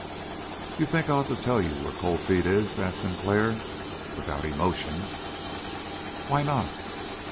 "You think I ought to tell you where Cold Feet is?" asked Sinclair without emotion. "Why not?"